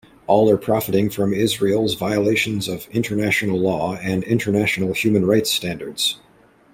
All are profiting from Israel's violations of international law and international human rights standards.